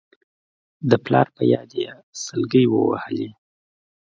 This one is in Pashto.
د پلار په ياد يې سلګۍ ووهلې.